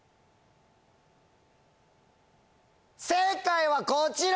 正解はこちら！